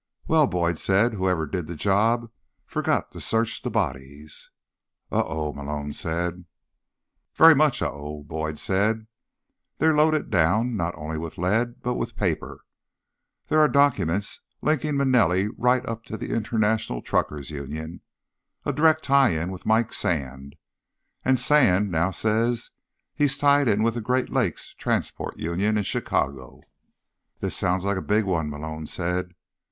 "Well," Boyd said, "whoever did the job forgot to search the bodies." "Oh oh," Malone said. "Very much oh oh," Boyd said. "They're loaded down, not only with lead, but with paper. There are documents linking Manelli right up to the International Truckers' Union—a direct tie in with Mike Sand. And Sand now says he's tied in with the Great Lakes Transport Union in Chicago." "This sounds like a big one," Malone said.